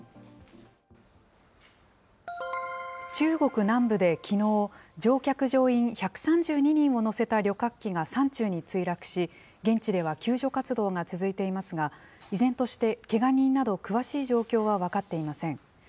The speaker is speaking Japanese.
中国南部できのう、乗客・乗員１３２人を乗せた旅客機が山中に墜落し、現地では救助活動が続いていますが、依然としてけが人など詳しい状況は分かっていません。